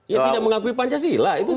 ya tidak mengakui pancasila